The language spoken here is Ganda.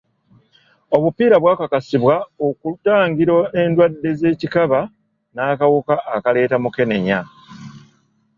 Obupiira bwakakasibwa okutangira endwadde z'ekikaba n'akawuka akaleeta mukenenya.